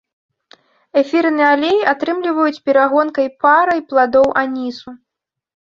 Эфірны алей атрымліваюць перагонкай парай пладоў анісу.